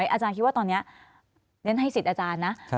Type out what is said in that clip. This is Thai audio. อาจารย์คิดว่าตอนนี้เรียนให้สิทธิ์อาจารย์นะ